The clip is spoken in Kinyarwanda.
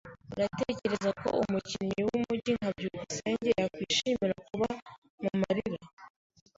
Uratekereza ko umukinyi wumujyi nka byukusenge yakwishimira kuba mumurima?